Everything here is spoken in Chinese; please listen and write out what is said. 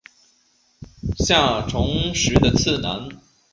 下重实的次男。